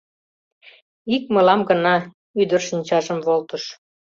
Ик мылам гына... — ӱдыр шинчажым волтыш.